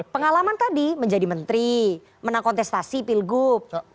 pengalaman tadi menjadi menteri menang kontestasi pilgub